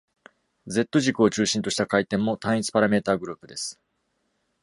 「z」軸を中心とした回転も、単一パラメータグループです。